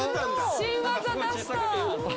新技出した！